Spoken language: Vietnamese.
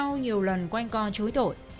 sau nhiều lần quanh co chối tội